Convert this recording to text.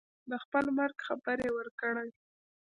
د خپل مرګ خبر یې ورکړی.